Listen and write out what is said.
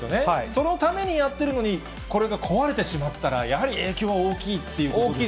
そのためにやってるのに、これが壊れてしまったら、やはり影響は大きいですね。